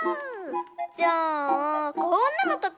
じゃあこんなのとか？